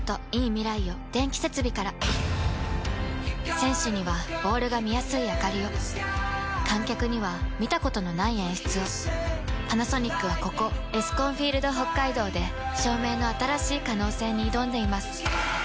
選手にはボールが見やすいあかりを観客には見たことのない演出をパナソニックはここエスコンフィールドＨＯＫＫＡＩＤＯで照明の新しい可能性に挑んでいます